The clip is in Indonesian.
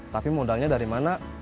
tapi modalnya dari mana